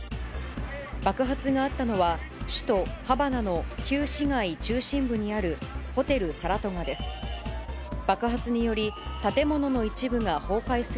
爆発があったのは、首都ハバナの旧市街中心部にある、ホテル、サラトガです。